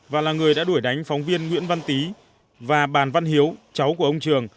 và là người đã đuổi đánh phóng viên nguyễn văn tý và bàn văn hiếu cháu của ông trường